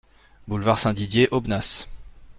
Boulevard Saint-Didier, Aubenas